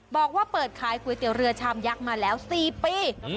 บอกว่าเปิดขายก๋วยเตี๋ยวเรือชามยักษ์มาแล้ว๔ปี